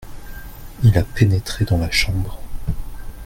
Il a pénétré dans la chambre.